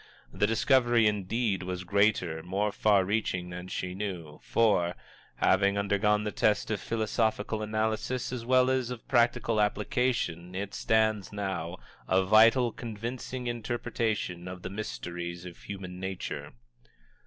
The discovery, indeed, was greater, more far reaching than she knew, for, having undergone the test of philosophical analysis as well as of practical application, it stands, now, a vital, convincing interpretation of the mysteries of human nature.